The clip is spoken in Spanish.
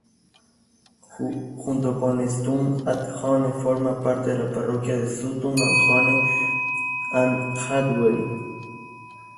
Junto con Sutton-at-Hone forma parte de la parroquia de Sutton-at-Hone and Hawley.